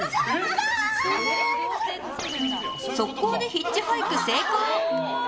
速攻でヒッチハイク成功！